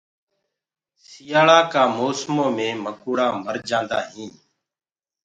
سِيآݪآ ڪآ موسمو مينٚ مڪوڙآ مر جآندآ هينٚ۔